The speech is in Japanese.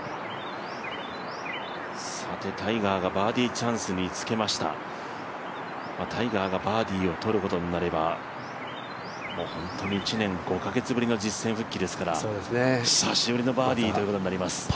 さて、タイガーがバーディーチャンスにつけましたタイガーがバーディーを取ることになればもう本当に１年５カ月ぶりの実戦復帰ですから久しぶりのバーディーということになります。